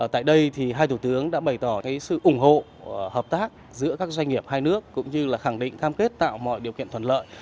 tại đây hai thủ tướng đã bày tỏ sự ủng hộ hợp tác giữa các doanh nghiệp hai nước cũng như là khẳng định cam kết tạo mọi điều kiện thuận lợi